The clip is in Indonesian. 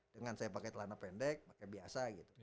dengan saya pakai telana pendek pakai biasa gitu